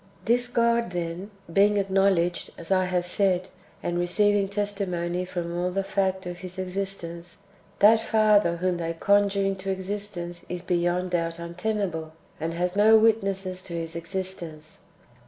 2. This God, then, being acknowledged, as I have said, and receiving testimony from all to the fact of His existence, that Father whom they conjure into existence is beyond doubt untenable, and has no witnesses [to his existence].